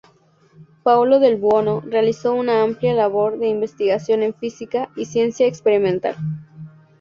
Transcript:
Paolo Del Buono realizó una amplia labor de investigación en física y ciencia experimental.